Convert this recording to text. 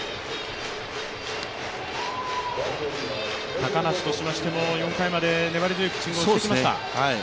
高梨としましても、４回まで粘り強いピッチングをしてきました。